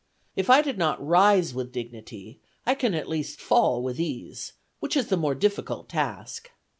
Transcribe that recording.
If I did not rise with dignity, I can at least fall with ease, which is the more difficult task.